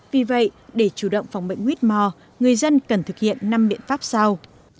vì vậy để chủ động phòng bệnh whitmore người dân cần thực hiện năm biện pháp sau